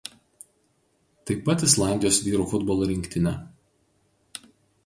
Taip pat Islandijos vyrų futbolo rinktinę.